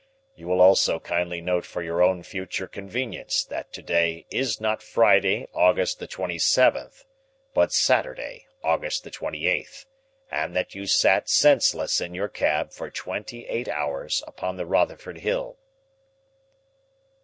You will also kindly note for your own future convenience that to day is not Friday, August the twenty seventh, but Saturday, August the twenty eighth, and that you sat senseless in your cab for twenty eight hours upon the Rotherfield hill."